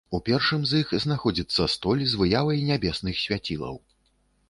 У першым з іх знаходзіцца столь з выявай нябесных свяцілаў.